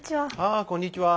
ああこんにちは。